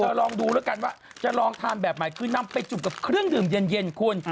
ลองดูแล้วกันว่าจะลองทานแบบใหม่คือนำไปจุ่มกับเครื่องดื่มเย็นคุณ